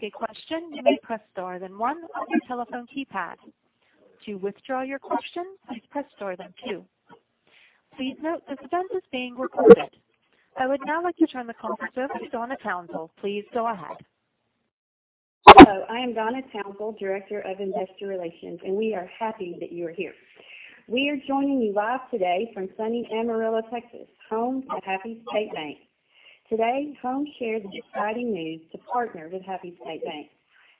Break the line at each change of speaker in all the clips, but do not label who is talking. Please note this event is being recorded. I would now like to turn the call over to Donna Townsell. Please go ahead.
Hello, I am Donna Townsell, Director of Investor Relations, and we are happy that you are here. We are joining you live today from sunny Amarillo, Texas, home of Happy State Bank. Today, Home shares exciting news to partner with Happy State Bank.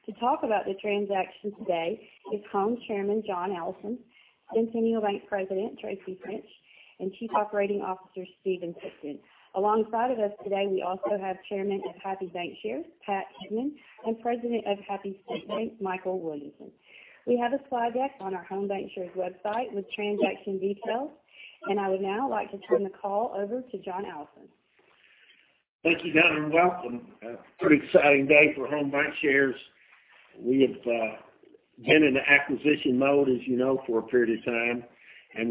To talk about the transaction today is Home Chairman, John Allison, Centennial Bank President, Tracy French, and Chief Operating Officer, Stephen Tipton. Alongside of us today, we also have Chairman of Happy Bancshares, Pat Hickman, and President of Happy State Bank, Mikel Williamson. We have a slide deck on our Home Bancshares website with transaction details, and I would now like to turn the call over to John Allison.
Thank you, Donna, and welcome. A pretty exciting day for Home Bancshares. We have been in the acquisition mode, as you know, for a period of time.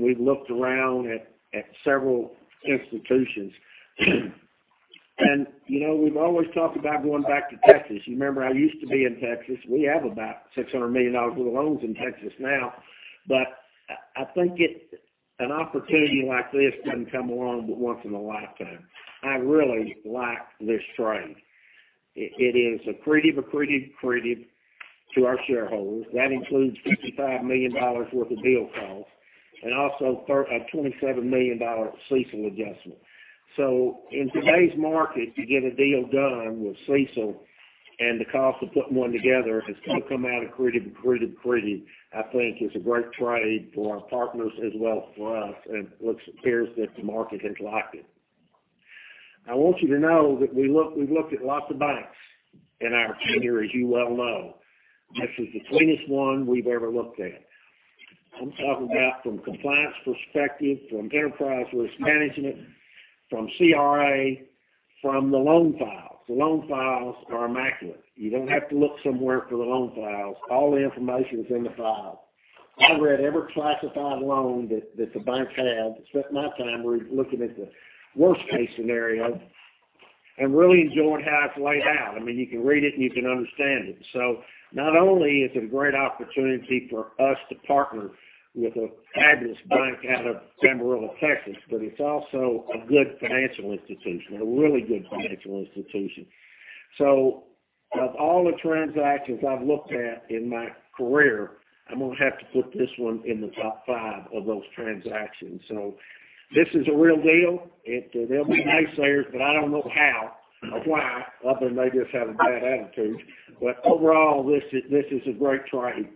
We've looked around at several institutions. We've always talked about going back to Texas. You remember I used to be in Texas. We have about $600 million worth of loans in Texas now. I think an opportunity like this doesn't come along but once in a lifetime. I really like this trade. It is accretive, accretive to our shareholders. That includes $55 million worth of deal cost and also a $27 million CECL adjustment. In today's market, to get a deal done with CECL and the cost of putting one together has all come out accretive, accretive. I think it's a great trade for our partners as well as for us. It appears that the market has liked it. I want you to know that we've looked at lots of banks in our tenure, as you well know. This is the cleanest one we've ever looked at. I'm talking about from compliance perspective, from enterprise risk management, from CRA, from the loan files. The loan files are immaculate. You don't have to look somewhere for the loan files. All the information is in the files. I read every classified loan that the bank had, spent my time relooking at the worst-case scenario and really enjoyed how it's laid out. You can read it. You can understand it. Not only is it a great opportunity for us to partner with a fabulous bank out of Amarillo, Texas, but it's also a good financial institution, a really good financial institution. Of all the transactions I've looked at in my career, I'm going to have to put this one in the top five of those transactions. This is a real deal. There'll be naysayers, but I don't know how or why other than they just have a bad attitude. Overall, this is a great trade.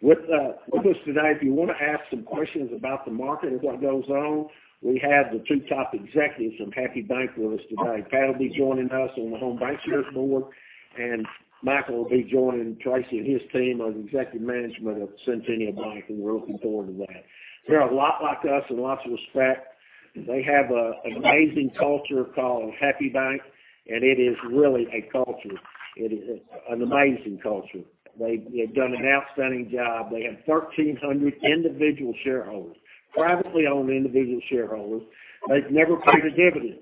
With us today, if you want to ask some questions about the market and what goes on, we have the two top executives from Happy Bank with us today. Pat will be joining us on the Home Bancshares board, and Mikel will be joining Tracy and his team of executive management of Centennial Bank, and we're looking forward to that. They're a lot like us in lots of respects. They have an amazing culture called Happy State Bank. It is really a culture. It is an amazing culture. They've done an outstanding job. They have 1,300 individual shareholders, privately owned individual shareholders. They've never paid a dividend.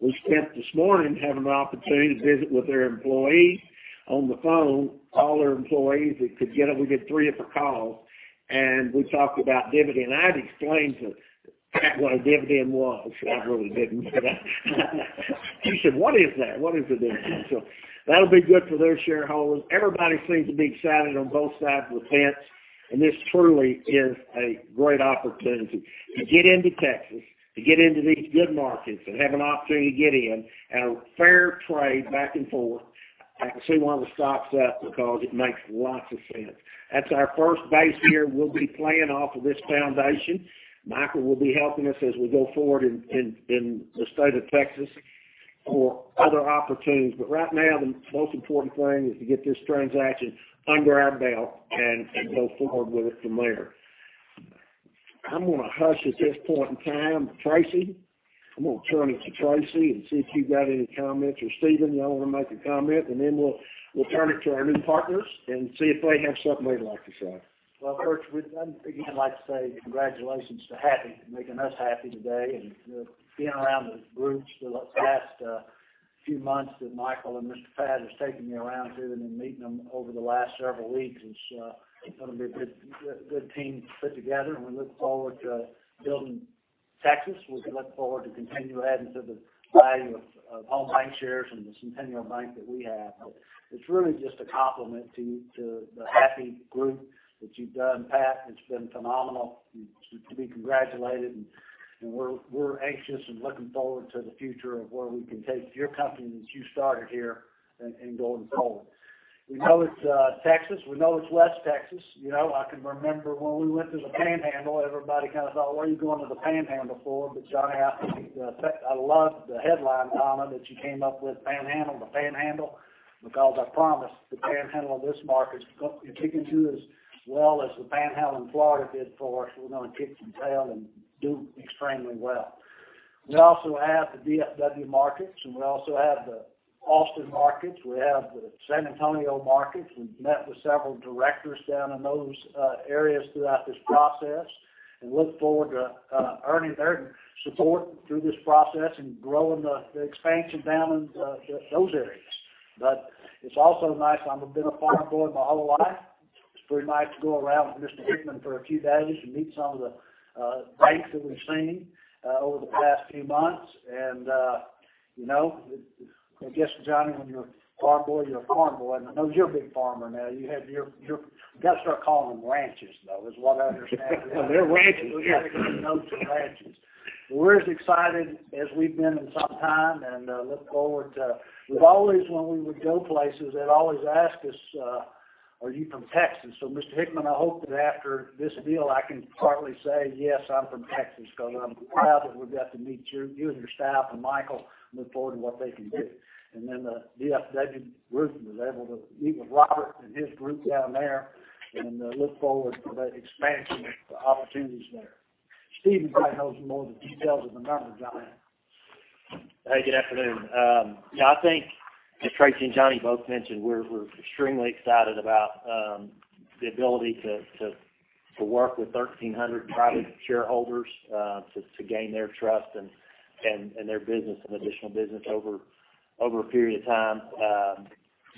We spent this morning having an opportunity to visit with their employees on the phone, all their employees that could get up. We did three different calls. We talked about dividend. I had to explain to Pat what a dividend was. I really didn't. She said, What is that? What is a dividend? That'll be good for their shareholders. Everybody seems to be excited on both sides of the fence. This truly is a great opportunity to get into Texas, to get into these good markets and have an opportunity to get in at a fair trade back and forth. I can see why the stock's up because it makes lots of sense. That's our first base here. We'll be playing off of this foundation. Mikel Williamson will be helping us as we go forward in the state of Texas for other opportunities. Right now, the most important thing is to get this transaction under our belt and go forward with it from there. I'm going to hush at this point in time. Tracy, I'm going to turn it to Tracy and see if you've got any comments or Stephen, y'all want to make a comment, and then we'll turn it to our new partners and see if they have something they'd like to say.
Well, first, we'd again like to say congratulations to Happy for making us happy today, and being around the groups for the past few months that Mikel and Pat has taken me around to, and in meeting them over the last several weeks, it's going to be a good team put together, and we look forward to building Texas. We look forward to continuing to add into the value of Home Bancshares and the Centennial Bank that we have. It's really just a compliment to the Happy group that you've done, Pat. It's been phenomenal, to be congratulated, and we're anxious and looking forward to the future of where we can take your company that you started here and going forward. We know it's Texas. We know it's West Texas. I can remember when we went to the Panhandle, everybody kind of thought, what are you going to the Panhandle for? John Allison, I love the headline, Donna, that you came up with, Panhandle to Panhandle, because I promise the Panhandle of this market is going to kick into as well as the Panhandle in Florida did for us. We're going to kick some tail and do extremely well. We also have the DFW markets. We also have the Austin markets. We have the San Antonio markets. We've met with several directors down in those areas throughout this process and look forward to earning their support through this process and growing the expansion down into those areas. It's also nice. I've been a farm boy my whole life. It's pretty nice to go around with Mr. Hickman for a few days and meet some of the banks that we've seen over the past few months. I guess, Johnny, when you're a farm boy, you're a farm boy. I know you're a big farmer now. You got to start calling them ranches, though, is what I understand.
They're ranches, yeah.
We got to get to know the ranches. We're as excited as we've been in some time and look forward to Always when we would go places, they'd always ask us, are you from Texas? Mr. Hickman, I hope that after this deal, I can proudly say, yes, I'm from Texas, because I'm proud that we got to meet you and your staff, and Mikel, look forward to what they can do. The D.F.W. group was able to meet with Robert and his group down there, and look forward to the expansion of the opportunities there. Stephen probably knows more of the details of the numbers than I am.
Good afternoon. I think as Tracy French and John Allison both mentioned, we're extremely excited about the ability to work with 1,300 private shareholders to gain their trust and their business and additional business over a period of time.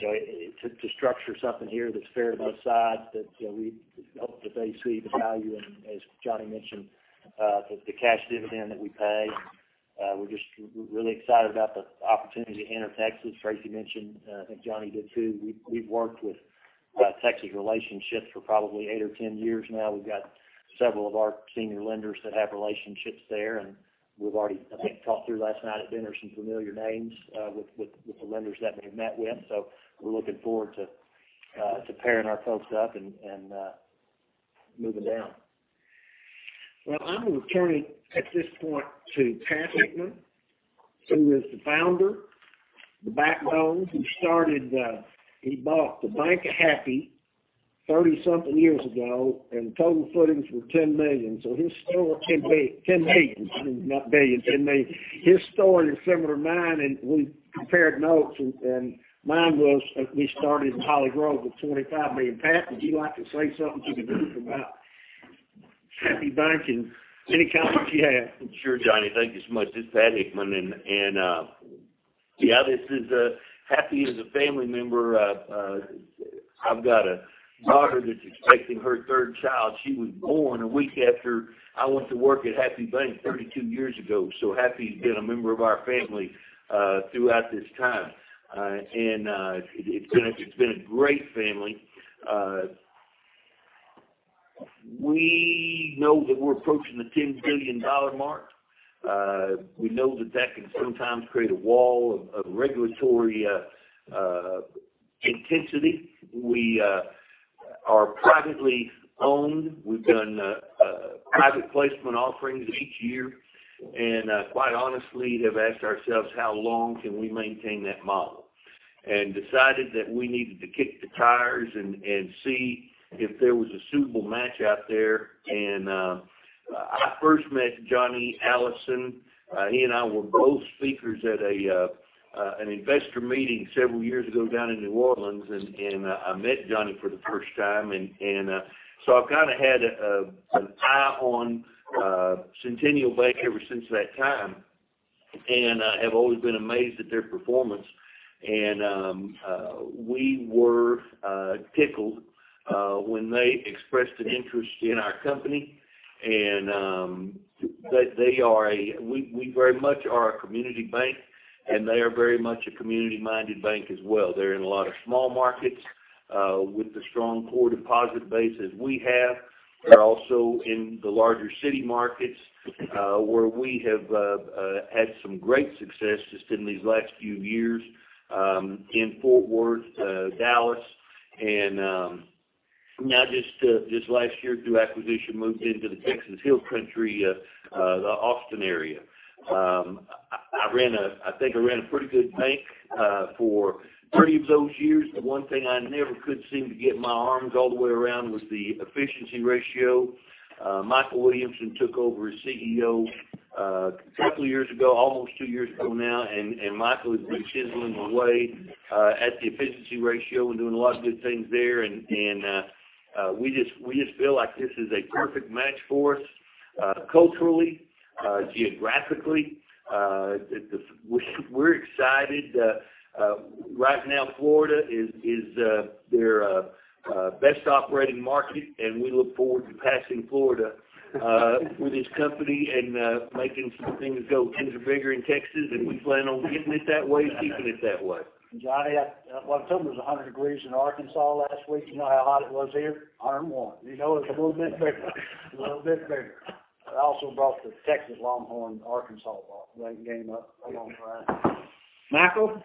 To structure something here that's fair to both sides that we hope that they see the value in, as John Allison mentioned, the cash dividend that we pay. We're just really excited about the opportunity to enter Texas. Tracy French mentioned, I think John Allison did, too, we've worked with Texas relationships for probably eight or 10 years now. We've got several of our senior lenders that have relationships there, and we've already, I think, talked through last night at dinner some familiar names with the lenders that we have met with. We're looking forward to pairing our folks up and moving down.
Well, I'm going to turn it at this point to Pat Hickman, who is the founder, the backbone, who bought the Bank of Happy 30-something years ago. Total footings were $10 million.
$10 billion.
$10 million, not billion, $10 million. His story is similar to mine, and we compared notes, and mine was, we started in Holly Grove with $25 million. Pat, would you like to say something to the group about Happy Bank and any comments you have?
Sure, Johnny, thank you so much. It's Pat Hickman, and yeah, Happy is a family member. I've got a daughter that's expecting her third child. She was born a week after I went to work at Happy State Bank 32 years ago. Happy's been a member of our family throughout this time. It's been a great family. We know that we're approaching the $10 billion mark. We know that that can sometimes create a wall of regulatory intensity. We are privately owned. We've done private placement offerings each year, and quite honestly, have asked ourselves how long can we maintain that model? Decided that we needed to kick the tires and see if there was a suitable match out there. I first met Johnny Allison, he and I were both speakers at an investor meeting several years ago down in New Orleans, and I met Johnny for the first time. I've kind of had an eye on Centennial Bank ever since that time, and have always been amazed at their performance. We were tickled when they expressed an interest in our company. We very much are a community bank, and they are very much a community-minded bank as well. They're in a lot of small markets with the strong core deposit base as we have. They're also in the larger city markets where we have had some great success just in these last few years in Fort Worth, Dallas, and now just this last year through acquisition, moved into the Texas Hill Country, the Austin area. I think I ran a pretty good bank for 30 of those years, but one thing I never could seem to get my arms all the way around was the efficiency ratio. Mikel Williamson took over as CEO a couple of years ago, almost two years ago now, and Mikel has been chiseling away at the efficiency ratio and doing a lot of good things there. We just feel like this is a perfect match for us culturally, geographically. We're excited. Right now, Florida is their best operating market, and we look forward to passing Florida with this company and making some things go bigger in Texas, and we plan on getting it that way and keeping it that way.
Johnny, well, I told them it was 100 degrees in Arkansas last week. You know how hot it was here? Iron one. You know it's a little bit bigger. A little bit bigger. I also brought the Texas Longhorns Arkansas game up along for that. Mikel?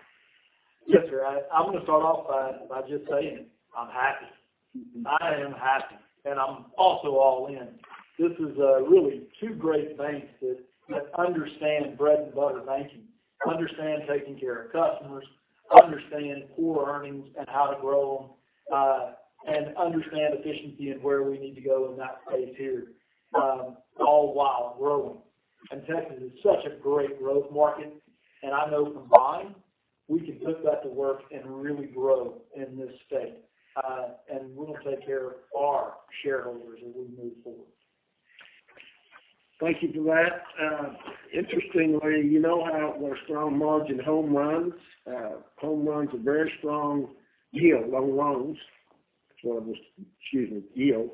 Yes, sir. I'm going to start off by just saying I'm happy. I am happy, and I'm also all in. This is really two great banks that understand bread and butter banking, understand taking care of customers, understand core earnings and how to grow them, and understand efficiency and where we need to go in that space here, all while growing. Texas is such a great growth market, and I know from mine, we can put that to work and really grow in this state. We'll take care of our shareholders as we move forward.
Thank you for that. Interestingly, you know how our strong margin Home runs. Home runs a very strong yield, low loans. Excuse me, yield.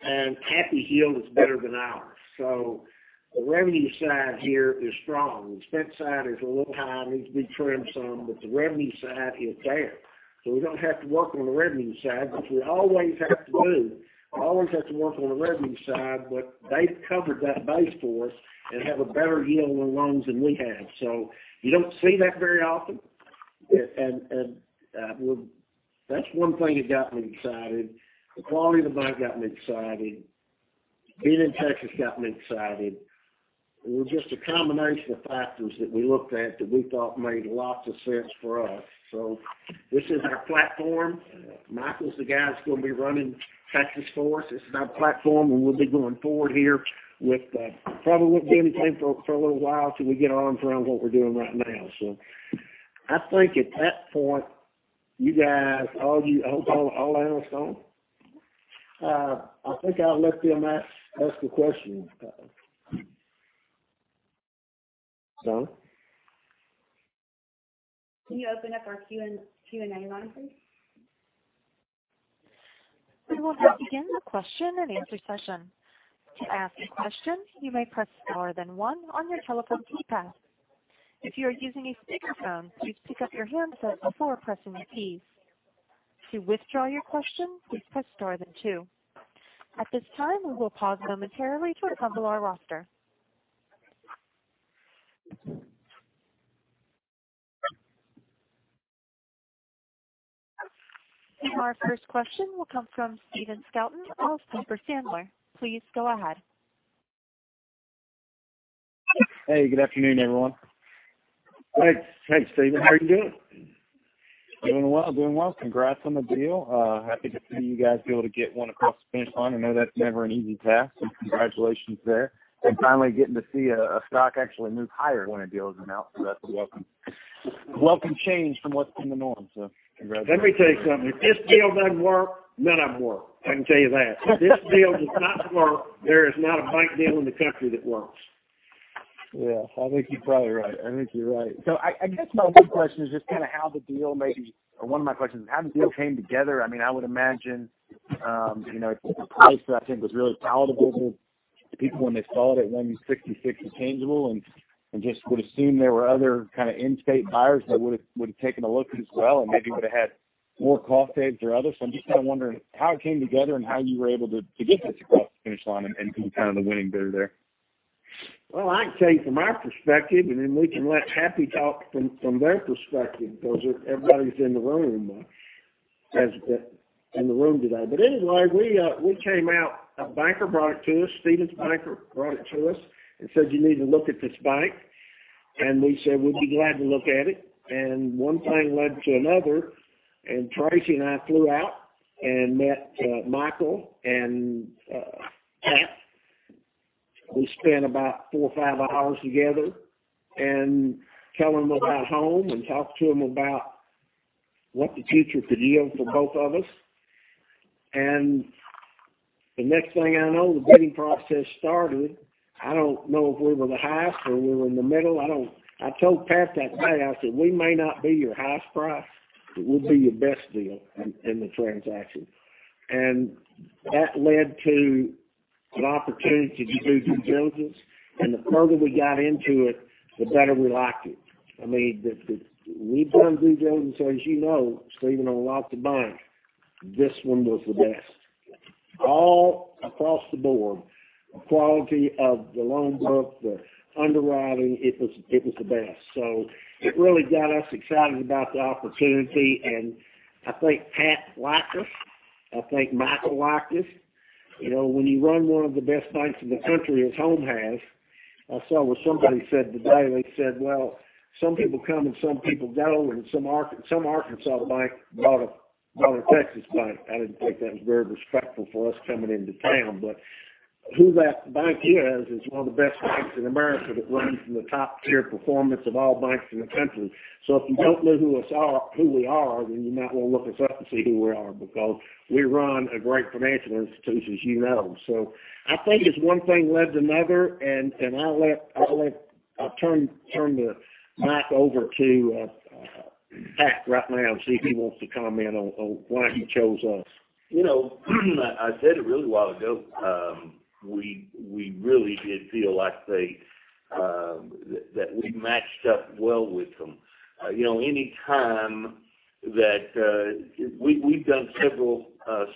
Happy yield is better than ours. The revenue side here is strong. The expense side is a little high, needs to be trimmed some. The revenue side is there. We don't have to work on the revenue side, which we always have to do, always have to work on the revenue side. They've covered that base for us and have a better yield on loans than we have. You don't see that very often. That's one thing that got me excited. The quality of the bank got me excited. Being in Texas got me excited. It was just a combination of factors that we looked at that we thought made lots of sense for us. This is our platform. Mikel Williamson's the guy that's going to be running Texas for us. This is our platform, and we'll be going forward here with, probably won't do anything for a little while till we get our arms around what we're doing right now. I think at that point, you guys, are all analysts on? I think I'll let them ask the questions. No?
Can you open up our Q&A line, please?
We will now begin the question-and-answer session. To ask a question, you may press star then one on your telephone keypad. If you are using a speakerphone, please pick up your handset before pressing the keys. To withdraw your question, please press star then two. At this time, we will pause momentarily to assemble our roster. Our first question will come from Stephen Scouten of Piper Sandler. Please go ahead.
Hey, good afternoon, everyone.
Hey, Stephen, how are you doing?
Doing well. Congrats on the deal. Happy to see you guys be able to get one across the finish line. I know that's never an easy task, so congratulations there. Finally getting to see a stock actually move higher when a deal is announced, so that's a welcome change from what's been the norm, so congrats.
Let me tell you something. If this deal doesn't work, none of them work. I can tell you that. If this deal does not work, there is not a bank deal in the country that works.
Yeah, I think you're probably right. I think you're right. I guess my one question is just kind of how the deal or one of my questions, how the deal came together. I would imagine, the price that I think was really palatable to people when they saw it at 1.66 intangible, and just would assume there were other kind of in-state buyers that would've taken a look as well, and maybe would've had more cost saves or others. I'm just kind of wondering how it came together and how you were able to get this across the finish line and be kind of the winning bidder there.
Well, I can tell you from our perspective, then we can let Happy talk from their perspective, because everybody's in the room today. Anyway, we came out, a banker brought it to us, Stephen's banker brought it to us and said, you need to look at this bank. We said, we'd be glad to look at it. One thing led to another, Tracy and I flew out and met Mikel and J. Pat. We spent about four or five hours together and tell them about Home and talked to them about what the future could yield for both of us. The next thing I know, the bidding process started. I don't know if we were the highest or we were in the middle. I told Pat that day, I said, we may not be your highest price, but we'll be your best deal in the transaction. That led to an opportunity to do due diligence, and the further we got into it, the better we liked it. We've done due diligence, as you know, Stephen, on lots of banks. This one was the best. All across the board, the quality of the loan book, the underwriting, it was the best. It really got us excited about the opportunity, and I think Pat liked us. I think Mikel liked us. When you run one of the best banks in the country as Home has, I saw what somebody said today. They said, well, some people come and some people go, and some Arkansas bank bought a Texas bank. I didn't think that was very respectful for us coming into town. Who that bank is one of the best banks in America that runs in the top tier performance of all banks in the country. If you don't know who we are, then you might want to look us up and see who we are because we run a great financial institution, as you know. I think it's one thing led to another, and I'll turn the mic over to Pat right now and see if he wants to comment on why he chose us.
I said a really while ago, we really did feel like that we matched up well with them. We've done several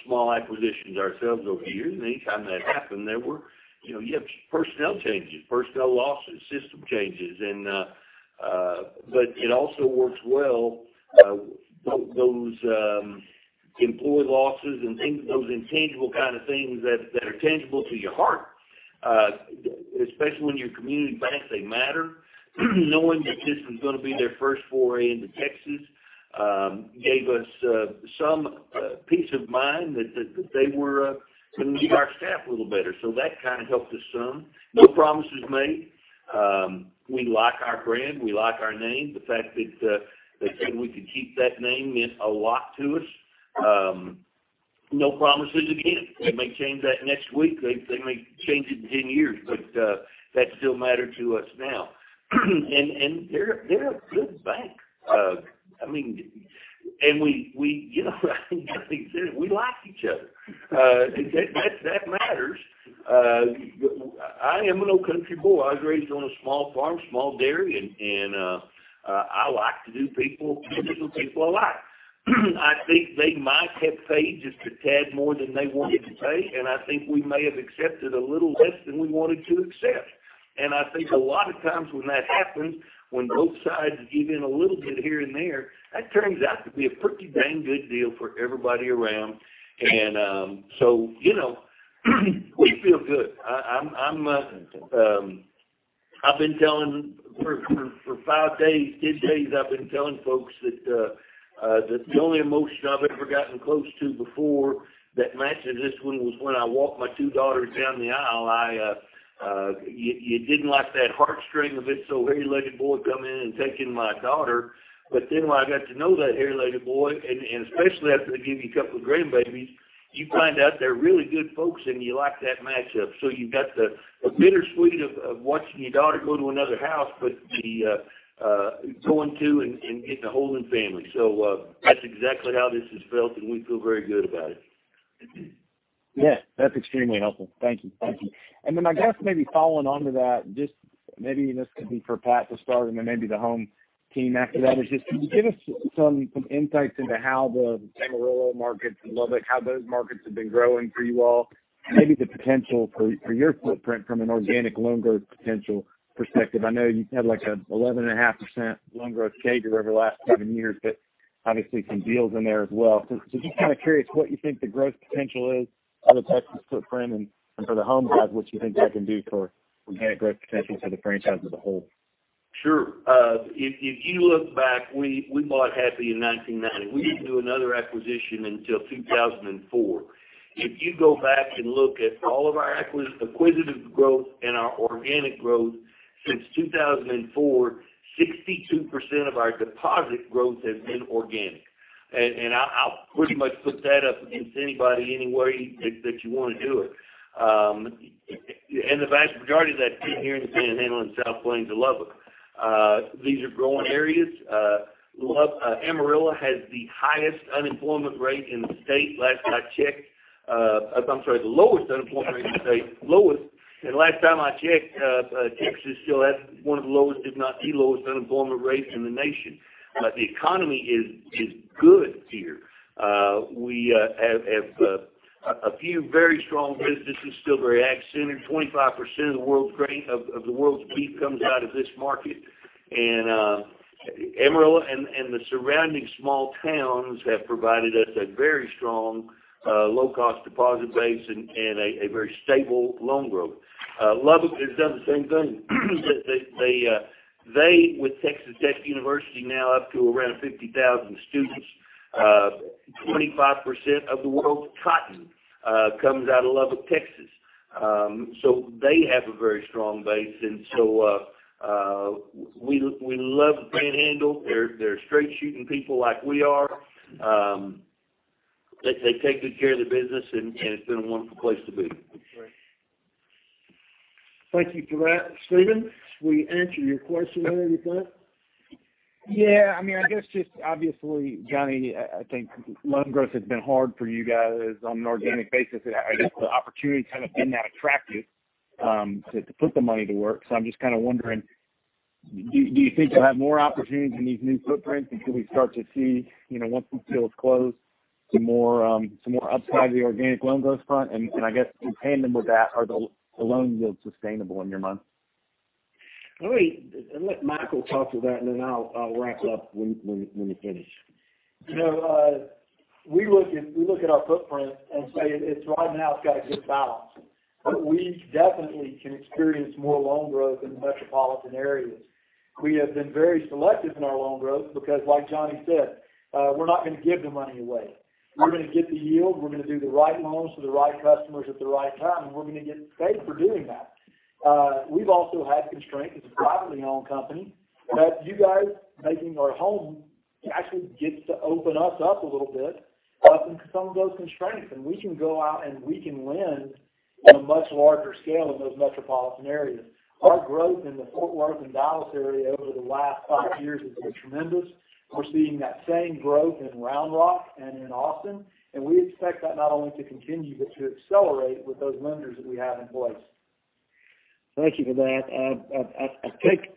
small acquisitions ourselves over the years, and anytime that happened, you have personnel changes, personnel losses, system changes. It also works well, those employee losses and those intangible kind of things that are tangible to your heart, especially when you're community banks, they matter. Knowing that this was going to be their first foray into Texas gave us some peace of mind that they were going to lose our staff a little better. That kind of helped us some. No promises made. We like our brand. We like our name. The fact that they said we could keep that name meant a lot to us. No promises again. They may change that next week. They may change it in 10 years, but that still matters to us now. They're a good bank. We like each other. That matters. I am an old country boy. I was raised on a small farm, small dairy, and I like to do business with people a lot. I think they might have paid just a tad more than they wanted to pay, and I think we may have accepted a little less than we wanted to accept. I think a lot of times when that happens, when both sides give in a little bit here and there, that turns out to be a pretty dang good deal for everybody around. We feel good. For five days, 10 days, I've been telling folks that the only emotion I've ever gotten close to before that matches this one was when I walked my two daughters down the aisle. You didn't like that heartstring of it, so hairy-legged boy come in and taking my daughter. When I got to know that hairy-legged boy, and especially after they give you a couple of grandbabies, you find out they're really good folks, and you like that matchup. You've got the bittersweet of watching your daughter go to another house, but the going to and getting a hole in family. That's exactly how this has felt, and we feel very good about it.
Yeah, that's extremely helpful. Thank you. I guess maybe following on to that, just maybe this could be for Pat to start and then maybe the Home team after that is just, can you give us some insights into how the Amarillo markets and Lubbock, how those markets have been growing for you all, and maybe the potential for your footprint from an organic loan growth potential perspective? I know you've had an 11.5% loan growth CAGR over the last seven years, but obviously some deals in there as well. Just kind of curious what you think the growth potential is of the Texas footprint and for the Home guys, what you think they can do for organic growth potential for the franchise as a whole.
Sure. If you look back, we bought Happy in 1990. We didn't do another acquisition until 2004. If you go back and look at all of our acquisitive growth and our organic growth since 2004, 62% of our deposit growth has been organic. I'll pretty much put that up against anybody, any way that you want to do it. The vast majority of that is here in the Panhandle and South Plains of Lubbock. These are growing areas. Amarillo has the highest unemployment rate in the state, last I checked. I'm sorry, the lowest unemployment rate in the state. Lowest. Last time I checked, Texas still has one of the lowest, if not the lowest unemployment rate in the nation. The economy is good here. We have a few very strong businesses, still very ag-centered. 25% of the world's beef comes out of this market. Amarillo and the surrounding small towns have provided us a very strong, low-cost deposit base and a very stable loan growth. Lubbock has done the same thing. They, with Texas Tech University now up to around 50,000 students, 25% of the world's cotton comes out of Lubbock, Texas. They have a very strong base, and so we love the Panhandle. They're straight-shooting people like we are. They take good care of the business, and it's been a wonderful place to be.
Great.
Thank you for that. Stephen, did we answer your question there, you think?
Yeah. I guess just obviously, Johnny, I think loan growth has been hard for you guys on an organic basis. I guess the opportunity kind of been that attractive to put the money to work. I'm just kind of wondering, do you think you'll have more opportunities in these new footprints until we start to see, once these deals close, some more upside of the organic loan growth front? I guess companion with that, are the loan yields sustainable in your mind?
Let me let Mikel talk to that, and then I'll wrap up when you finish.
We look at our footprint and say, right now it's got a good balance, but we definitely can experience more loan growth in the metropolitan areas. We have been very selective in our loan growth because, like Johnny said, we're not going to give the money away. We're going to get the yield, we're going to do the right loans for the right customers at the right time, and we're going to get paid for doing that. We've also had constraints as a privately owned company, but you guys making our home actually gets to open us up a little bit, us and some of those constraints. We can go out and we can lend on a much larger scale in those metropolitan areas. Our growth in the Fort Worth and Dallas area over the last five years has been tremendous. We're seeing that same growth in Round Rock and in Austin, and we expect that not only to continue but to accelerate with those lenders that we have in place.
Thank you for that. I take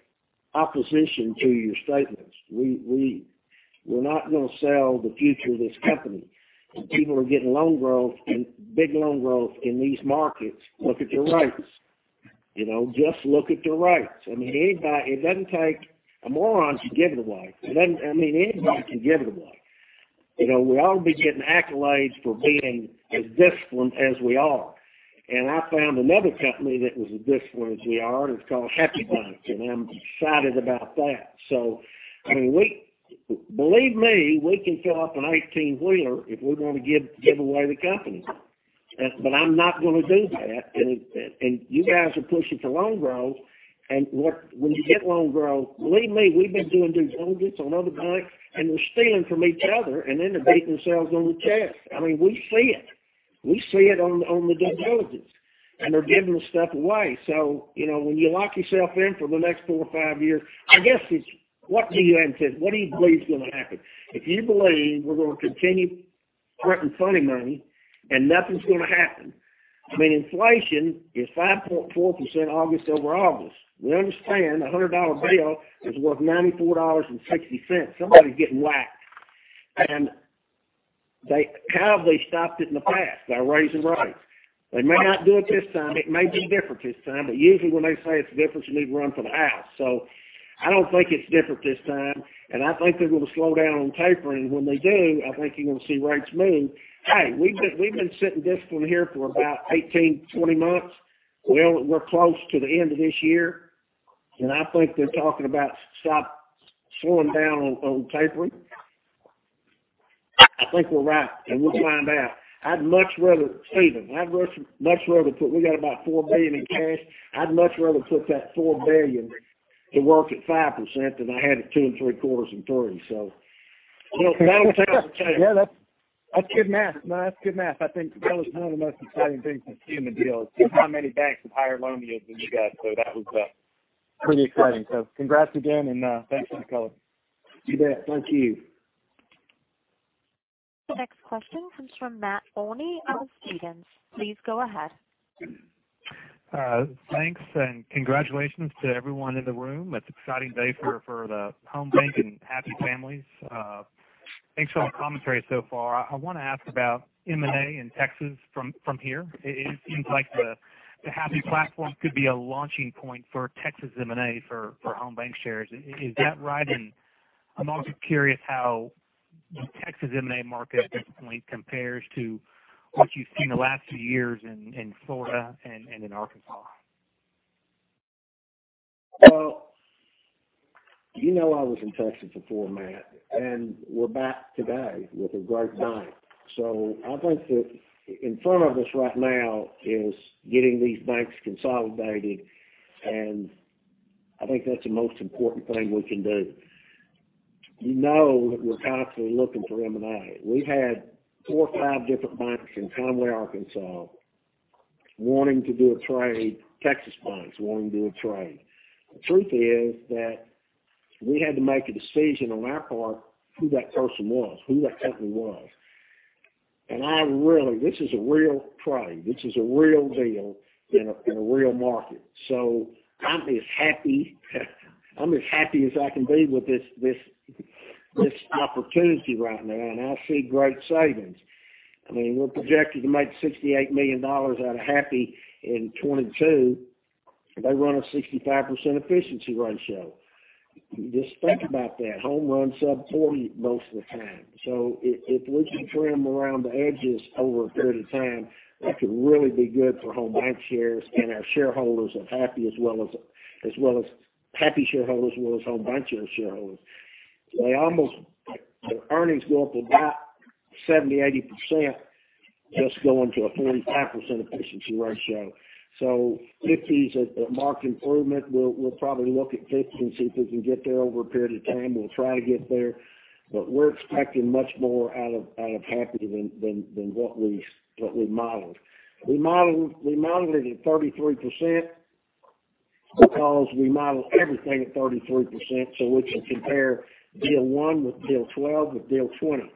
opposition to your statements. We're not going to sell the future of this company. People are getting loan growth and big loan growth in these markets. Look at their rates. Just look at their rates. A moron should give it away. Anybody can give it away. We ought to be getting accolades for being as disciplined as we are. I found another company that was as disciplined as we are, and it's called Happy Banc, and I'm excited about that. Believe me, we can fill up an 18-wheeler if we want to give away the company. I'm not going to do that. You guys are pushing for loan growth. When you get loan growth, believe me, we've been doing due diligence on other banks, and they're stealing from each other and then they're beating themselves on the chest. We see it. We see it on the due diligence, and they're giving the stuff away. When you lock yourself in for the next four or five years, I guess it's what do you anticipate? What do you believe is going to happen? If you believe we're going to continue printing funny money and nothing's going to happen. Inflation is 5.4% August over August. We understand $100 bill is worth $94.60. Somebody's getting whacked. They have stopped it in the past by raising rates. They may not do it this time. It may be different this time, but usually when they say it's different, you need to run for the house. I don't think it's different this time, and I think they're going to slow down on tapering. When they do, I think you're going to see rates move. Hey, we've been sitting disciplined here for about 18 months-20 months. We're close to the end of this year, and I think they're talking about slowing down on tapering. I think we're right, and we'll find out. I'd much rather save them. We got about $4 billion in cash. I'd much rather put that $4 billion to work at 5% than have it $2.75 and $3. That'll tell the tale.
Yeah. That's good math. No, that's good math. I think that was one of the most exciting things to see in the deal, is just how many banks with higher loan yields than you guys. That was pretty exciting. Congrats again, and thanks, John.
You bet. Thank you.
The next question comes from Matt Olney of Stephens. Please go ahead.
Thanks, and congratulations to everyone in the room. It's an exciting day for the Home Banc and Happy families. Thanks for all the commentary so far. I want to ask about M&A in Texas from here. It seems like the Happy platform could be a launching point for Texas M&A for Home Bancshares. Is that right? I'm also curious how the Texas M&A market at this point compares to what you've seen the last few years in Florida and in Arkansas.
Well, you know I was in Texas before, Matt. We're back today with a great bank. I think that in front of us right now is getting these banks consolidated, and I think that's the most important thing we can do. You know that we're constantly looking for M&A. We had four or five different banks in Conway, Arkansas, wanting to do a trade, Texas banks wanting to do a trade. The truth is that we had to make a decision on our part who that person was, who that company was. This is a real trade. This is a real deal in a real market. I'm as happy as I can be with this opportunity right now, and I see great savings. We're projected to make $68 million out of Happy in 2022. They run a 65% efficiency ratio. Just think about that. Home runs sub 40 most of the time. If we can trim around the edges over a period of time, that could really be good for Home Bancshares and our shareholders of Happy as well as Happy shareholders, as well as Home Bancshares shareholders. Their earnings will go up 70%, 80%, just going to a 45% efficiency ratio. 50 is a marked improvement. We'll probably look at 50 and see if we can get there over a period of time. We'll try to get there, but we're expecting much more out of Happy than what we modeled. We modeled it at 33% because we model everything at 33%. We can compare deal 1 with deal 12 with deal 20.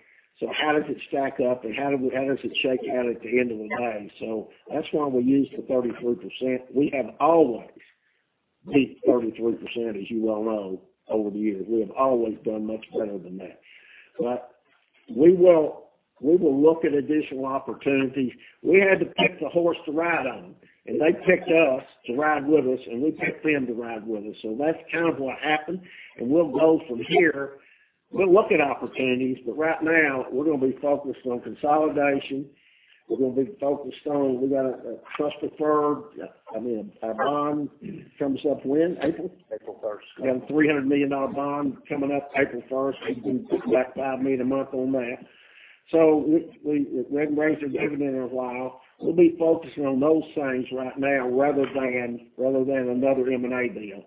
How does it stack up and how does it shake out at the end of the day? That's why we use the 33%. We have always beat 33%, as you well know, over the years. We have always done much better than that. We will look at additional opportunities. We had to pick the horse to ride on, and they picked us to ride with us, and we picked them to ride with us. That's kind of what happened. We'll go from here. We'll look at opportunities, but right now, we're going to be focused on consolidation. We're going to be focused on, we got a trust preferred. Our bond comes up when? April?
April 1st.
We have a $300 million bond coming up April 1st. We can collect that, meet a month on that. We haven't raised our dividend in a while. We'll be focusing on those things right now rather than another M&A deal.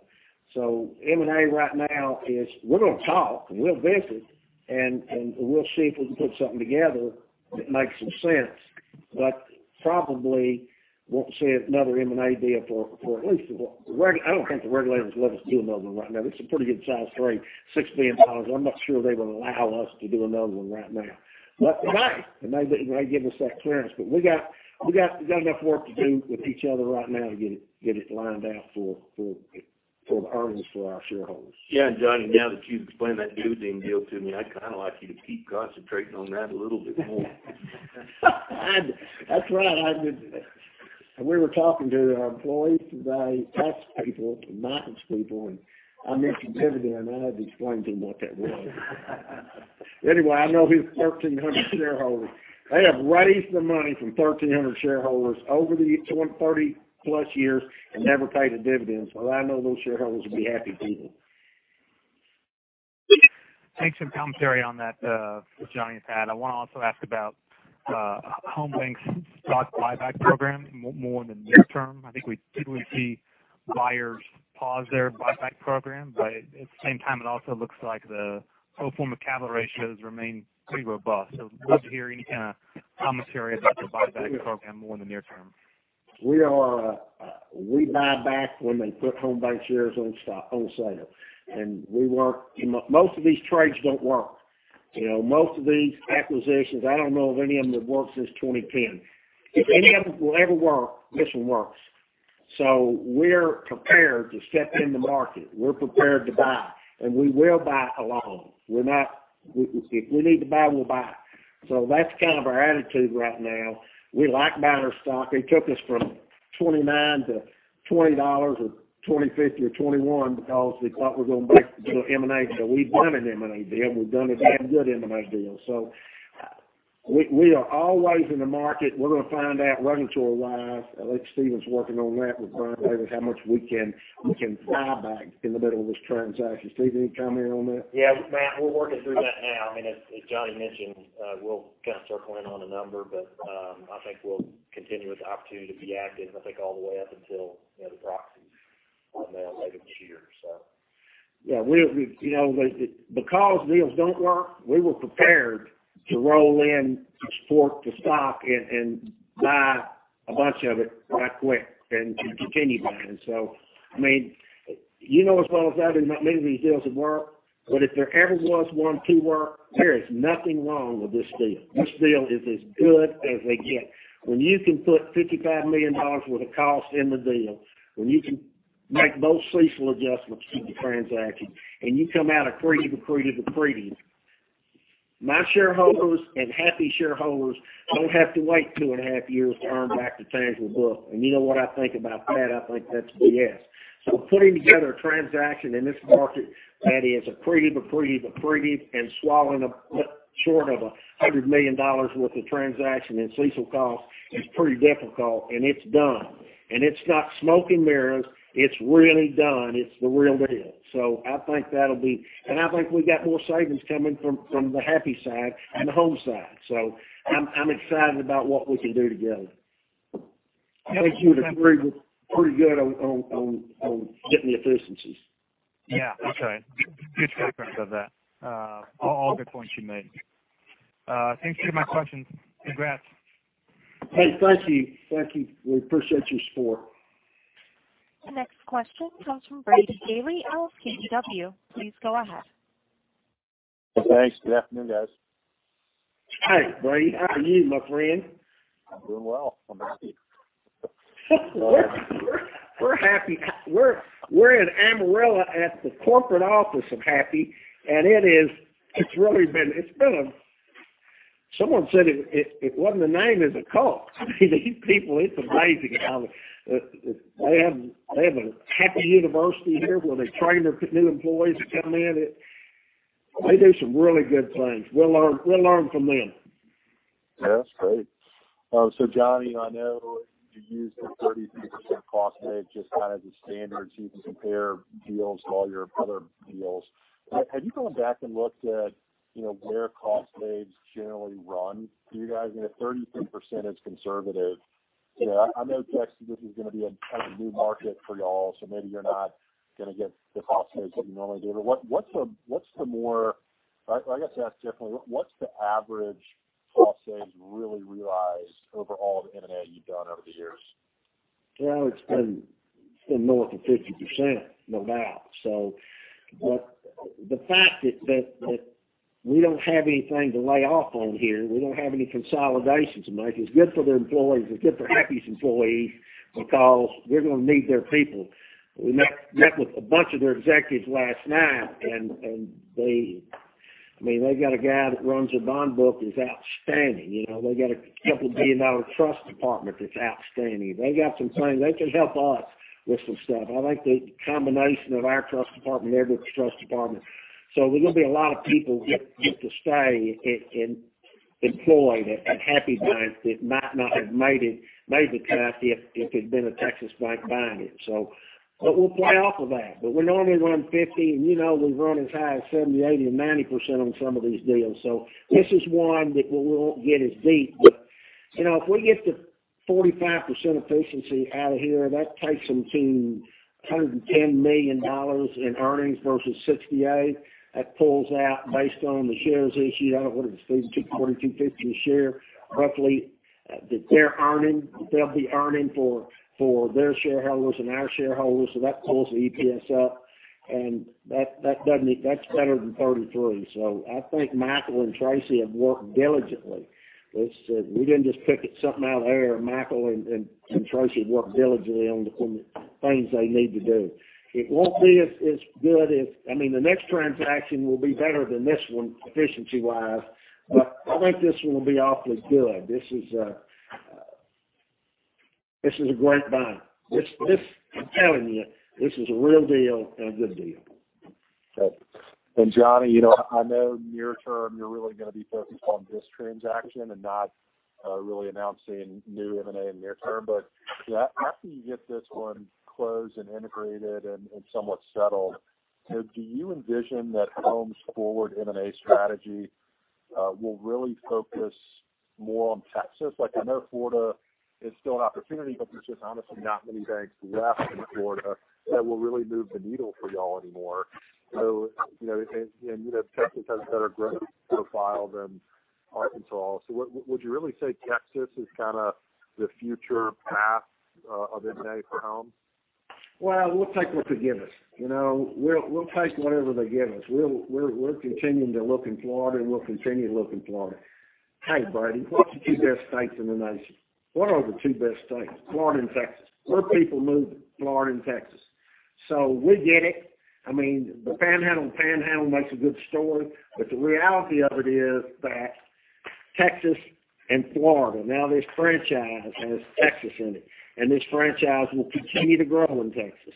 M&A right now is, we're going to talk, and we'll visit, and we'll see if we can put something together that makes some sense, but probably won't see another M&A deal for at least I don't think the regulators will let us do another one right now. This is a pretty good size trade, $6 billion. I'm not sure they would allow us to do another one right now. They may. They may give us that clearance. We got enough work to do with each other right now to get it lined out for the earnings for our shareholders.
Yeah, Johnny, now that you've explained that dividend deal to me, I'd kind of like you to keep concentrating on that a little bit more.
That's right. We were talking to our employees today, tax people and finance people, and I mentioned dividend, and I had to explain to them what that was. Anyway, I know these 1,300 shareholders. They have raised the money from 1,300 shareholders over the 30+ years and never paid a dividend. I know those shareholders will be happy people.
Make some commentary on that, what Johnny has had. I want to also ask about Home Bancshares' stock buyback program more in the near term. I think we typically see buyers pause their buyback program, but at the same time, it also looks like the total pro forma capital ratios remain pretty robust. Love to hear any kind of commentary about the buyback program more in the near term.
We buy back when they put Home BancShares on sale. Most of these trades don't work. Most of these acquisitions, I don't know of any of them that have worked since 2010. If any of them will ever work, this one works. We're prepared to step in the market. We're prepared to buy, and we will buy alone. If we need to buy, we'll buy. That's kind of our attitude right now. We like buying our stock. It took us from $29 to $20 or $20.50 or $21 because we thought we were going to break and do an M&A. We've done an M&A deal, and we've done a damn good M&A deal. We are always in the market. We're going to find out running to a rise. I think Stephen's working on that with Brian Davis, how much we can buy back in the middle of this transaction. Stephen, any comment on that?
Yeah, Matt, we're working through that now. As Johnny mentioned, we'll kind of circle in on a number, I think we'll continue with the opportunity to be active, I think all the way up until the proxy's on there later this year.
Yeah. Because deals don't work, we were prepared to roll in, support the stock, and buy a bunch of it right quick and to continue buying. You know as well as I do not many of these deals have worked, but if there ever was one to work, there is nothing wrong with this deal. This deal is as good as they get. When you can put $55 million worth of cost in the deal, when you can make both CECL adjustments to the transaction. My shareholders, and Happy shareholders, don't have to wait two and a half years to earn back the tangible book. You know what I think about that? I think that's BS. Putting together a transaction in this market that is swallowing up short of $100 million worth of transaction in CECL costs is pretty difficult, and it's done. It's not smoke and mirrors. It's really done. It's the real deal. I think we got more savings coming from the Happy side and the Home side. I'm excited about what we can do together. I think we were pretty good on getting the efficiencies.
Yeah. Okay. Good background of that. All good points you made. Thanks for my questions. Congrats.
Hey, thank you. We appreciate your support.
The next question comes from Brady Gailey of KBW. Please go ahead.
Thanks. Good afternoon, guys.
Hey, Brady. How are you, my friend?
I'm doing well. I'm happy.
We're happy. We're in Amarillo at the corporate office of Happy. It's really been Someone said if it wasn't the name, it's a cult. These people, it's amazing how they have a Happy University here where they train their new employees that come in. They do some really good things. We'll learn from them.
Yeah. That's great. Johnny, I know you used the 33% cost save just as a standard so you can compare deals to all your other deals. Have you gone back and looked at where cost saves generally run for you guys? I mean, if 33% is conservative, I know Texas is going to be a new market for y'all, so maybe you're not going to get the cost saves that you normally do, but I guess I'll ask differently. What's the average cost saves really realized over all the M&A you've done over the years?
It's been north of 50%, no doubt. The fact is that we don't have anything to lay off on here. We don't have any consolidations to make. It's good for their employees. It's good for Happy's employees because we're going to need their people. We met with a bunch of their executives last night. They got a guy that runs their bond book who's outstanding. They got a couple billion-dollar trust department that's outstanding. They got some things. They can help us with some stuff. I like the combination of our trust department and their trust department. There are going to be a lot of people get to stay employed at Happy Banks that might not have made the cut if it had been a Texas bank buying it. We'll play off of that. We normally run 50, and we've run as high as 70%, 80%, and 90% on some of these deals. This is one that we won't get as deep, but if we get to 45% efficiency out of here, that takes them to $110 million in earnings versus $68. That pulls out based on the shares issued, I don't know what it is, $240, $250 a share, roughly, that they'll be earning for their shareholders and our shareholders. That pulls the EPS up, and that's better than 33. I think Mikel Williamson and Tracy French have worked diligently. We didn't just pick at something out of the air. Mikel Williamson and Tracy French worked diligently on the things they need to do. The next transaction will be better than this one efficiency wise, but I think this one will be awfully good. This is a great buy. I'm telling you, this is a real deal and a good deal.
Okay. Johnny, I know near term, you're really going to be focused on this transaction and not really announcing new M&A in near term. After you get this one closed and integrated and somewhat settled, do you envision that Home's forward M&A strategy will really focus more on Texas? I know Florida is still an opportunity, but there's just honestly not many banks left in Florida that will really move the needle for y'all anymore. Texas has a better growth profile than Arkansas. Would you really say Texas is the future path of M&A for Home?
Well, we'll take what they give us. We'll take whatever they give us. We're continuing to look in Florida, and we'll continue to look in Florida. Hey, Brady Gailey, what's the two best states in the nation? What are the two best states? Florida and Texas. Where are people moving? Florida and Texas. We get it. The Panhandle makes a good story, but the reality of it is that Texas and Florida, now this franchise has Texas in it, and this franchise will continue to grow in Texas.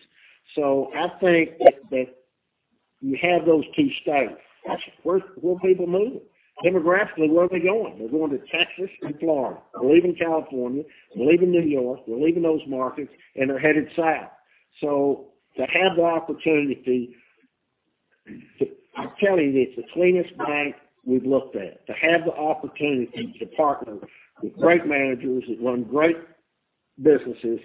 I think that you have those two states. That's where people are moving. Demographically, where are they going? They're going to Texas and Florida. They're leaving California, they're leaving New York, they're leaving those markets, and they're headed south. To have the opportunity. I'm telling you, it's the cleanest bank we've looked at. To have the opportunity to partner with great managers who run great businesses,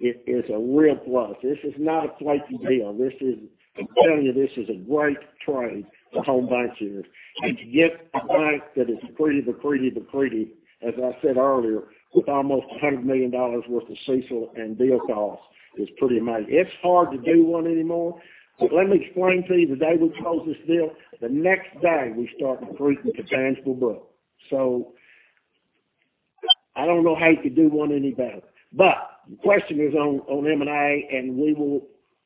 it is a real plus. This is not a flaky deal. I'm telling you, this is a great trade for Home BancShares, Inc. To get a bank that is accretive. As I said earlier, with almost $100 million worth of CECL and deal costs is pretty amazing. It's hard to do one anymore. Let me explain to you, the day we closed this deal, the next day, we started accretive to tangible book. I don't know how you could do one any better. The question is on M&A, and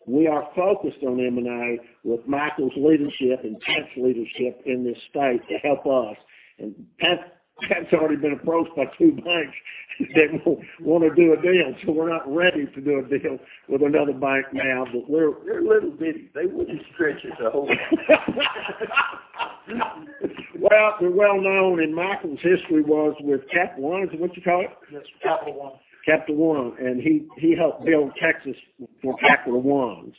we are focused on M&A with Mikel Williamson's leadership and Pat Hickman's leadership in this state to help us. Pat Hickman's already been approached by two banks that want to do a deal. We're not ready to do a deal with another bank now, but they're little bitty. They wouldn't stretch us a whole lot. They're well known, and Mikel's history was with Capital One. Is that what you call it?
Yes, Capital One.
Capital One. He helped build Texas for Capital One.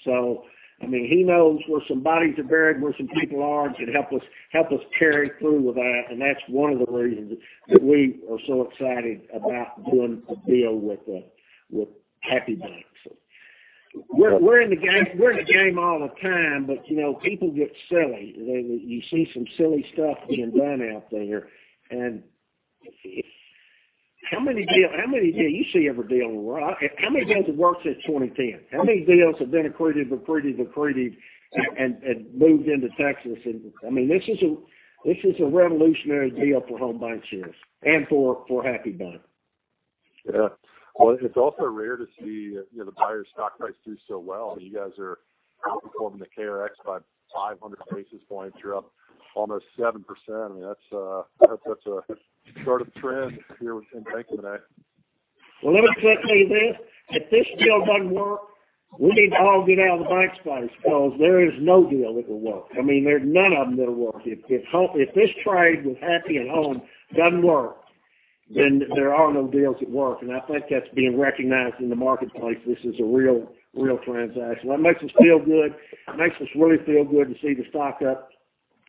He knows where some bodies are buried, where some people are that help us carry through with that. That's one of the reasons that we are so excited about doing a deal with Happy State Bank. We're in the game all the time, people get silly. You see some silly stuff getting done out there. How many deals you see every day on the rock? How many deals have worked since 2010? How many deals have been accretive and moved into Texas? This is a revolutionary deal for Home Bancshares and for Happy State Bank.
Yeah. Well, it's also rare to see the buyer's stock price do so well. You guys are outperforming the KRX by 500 basis points. You're up almost 7%. That's a sort of trend here within banking today.
Well, let me just tell you this. If this deal doesn't work, we need to all get out of the banks' business because there is no deal that will work. None of them that'll work. If this trade with Happy and Home doesn't work, there are no deals that work, and I think that's being recognized in the marketplace. This is a real transaction. That makes us feel good. Makes us really feel good to see the stock up